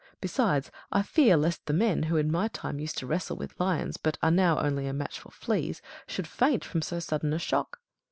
Besides, I fear lest the men, who in my time used to wrestle with lions, but are now only a match for fleas, should faint from so sudden a shock.